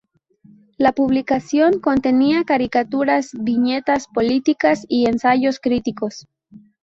La publicación contenía caricaturas, viñetas políticas y ensayos críticos.